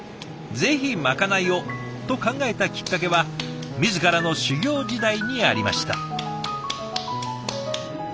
ぜひまかないをと考えたきっかけは自らの修業時代にありました。